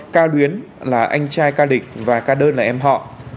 ca luyến là anh trai ca địch và ca đơn là em họ